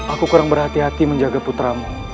aku kurang berhati hati menjaga putramu